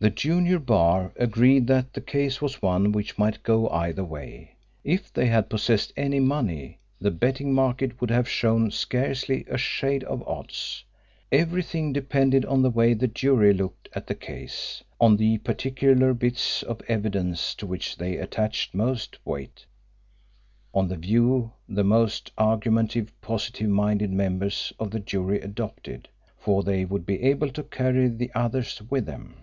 The junior bar agreed that the case was one which might go either way. If they had possessed any money the betting market would have shown scarcely a shade of odds. Everything depended on the way the jury looked at the case, on the particular bits of evidence to which they attached most weight, on the view the most argumentative positive minded members of the jury adopted, for they would be able to carry the others with them.